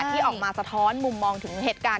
ที่ออกมาสะท้อนมุมมองถึงเหตุการณ์